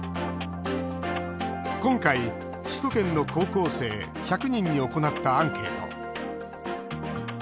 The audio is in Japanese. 今回、首都圏の高校生１００人に行ったアンケート。